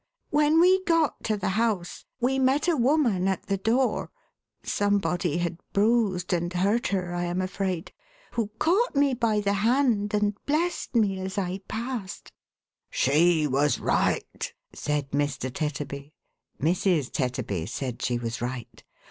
Wrhen we got to the house, we met a woman at the door (somebody had bruised and hurt her, I am afraid) who caught me by the hand, and blessed me as I passed." 510 THE HAUNTED MAN. "She was right,11 said Mr. Tetterby. Mrs. Tetterby said she was right.